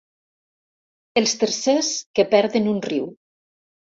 Els tercers que perden un riu.